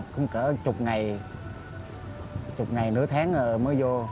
cũng cỡ chục ngày chục ngày nửa tháng mới vô